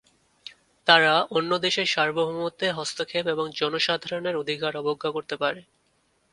তারা অন্য দেশের সার্বভৌমত্বে হস্তক্ষেপ এবং জনসাধারণের অধিকার অবজ্ঞা করতে পারে।